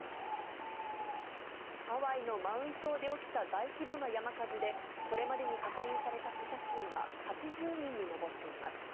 ハワイのマウイ島で起きた大規模な山火事で、これまでに確認された死者数は８０人に上っています。